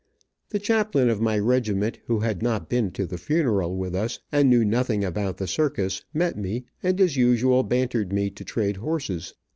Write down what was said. The chaplain of my regiment, who had not been to the funeral with us, and knew nothing about the circus, met me, and, as usual, bantered me to trade horses.